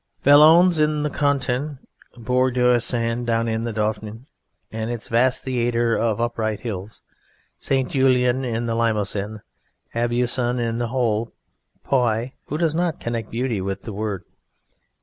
Valognes in the Cotentin, Bourg d'Oysan down in the Dauphiné in its vast theatre of upright hills, St. Julien in the Limousin, Aubusson in the hole, Puy (who does not connect beauty with the word?)